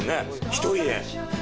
１人で。